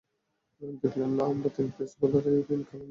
দেখলেন না, আমরা তিন পেস বোলারই ওদিন কেমন ভালো বোলিং করেছি।